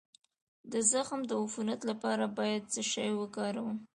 د زخم د عفونت لپاره باید څه شی وکاروم؟